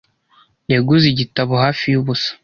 Yaguze igitabo hafi yubusa.